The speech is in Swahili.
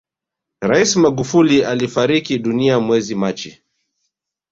rais magufuli alifariki dunia mwezi machi